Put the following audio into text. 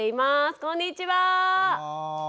こんにちは。